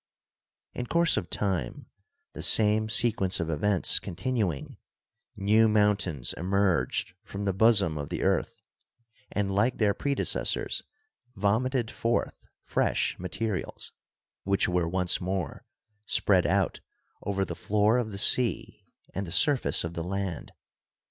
In course of time, the same sequence of events continu ing, new mountains emerged from the bosom of the earth, and like their predecessors vomited forth fresh materials 4® GEOLOGY which were once more spread out over the floor of the sea and the surface of the land.